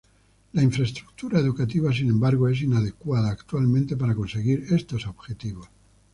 La infraestructura educativa, sin embargo, es inadecuada actualmente para conseguir estos objetivos.